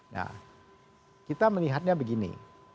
nah kita melihatnya begini